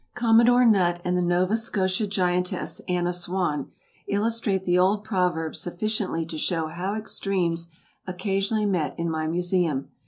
Commodore Nutt and the Nova Scotia giantess, Anna Swan, illustrate the old proverb sufficiently to show how extremes occasionally met in my Museum.